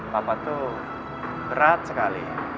papa tuh berat sekali